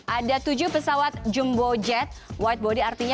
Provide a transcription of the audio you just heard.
ada tujuh pesawat jumbo jet wide body